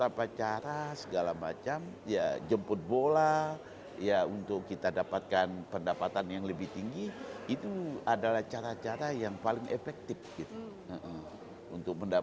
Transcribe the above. apa cara segala macam ya jemput bola ya untuk kita dapatkan pendapatan yang lebih tinggi itu adalah cara cara yang paling efektif gitu